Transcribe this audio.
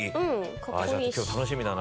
じゃあ今日楽しみだな。